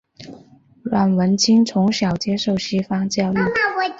阮文清从小接受西方教育。